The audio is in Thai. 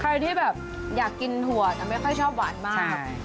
ใครที่แบบอยากกินถั่วแต่ไม่ค่อยชอบหวานมาก